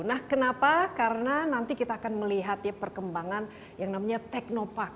nah kenapa karena nanti kita akan melihat ya perkembangan yang namanya teknopark